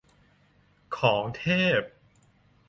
ของเทพ